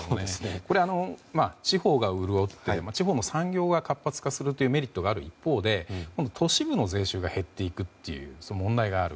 これ、地方が潤って地方の産業が活発化するというメリットがある一方で都市部の税収が減っていくという問題がある。